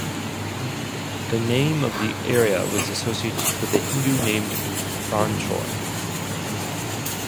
The name of the area was associated with a Hindu named Ranchor.